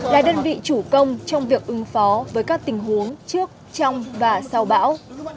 là đơn vị chủ công trong việc ứng phó với các tình huống trước trong và sau bão